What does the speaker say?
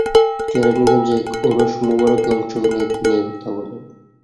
কেরানীগঞ্জে এক ওরস মোবারকে অংশ নিয়ে তিনি এ কথা বলেন।